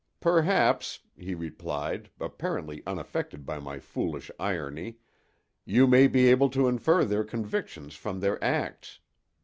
"Perhaps," he replied, apparently unaffected by my foolish irony, "you may be able to infer their convictions from their acts.